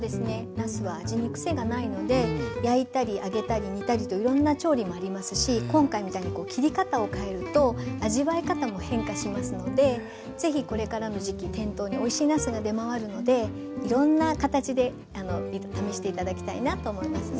なすは味にクセがないので焼いたり揚げたり煮たりといろんな調理もありますし今回みたいに切り方を変えると味わい方も変化しますので是非これからの時期店頭においしいなすが出回るのでいろんな形で試して頂きたいなと思いますね。